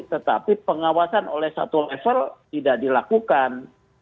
tetapi pengawasan oleh satu level tidak dilakukan